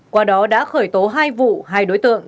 qua đó đã khởi tố hai vụ hai đối tượng